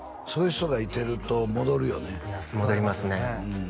そういう人がいてると戻るよね戻りますね